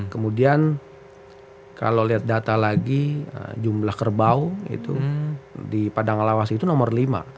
kemudian kalau lihat data lagi jumlah kerbau di padang alawasi itu nomor lima